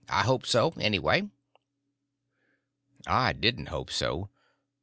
I hope so, anyway." I didn't hope so.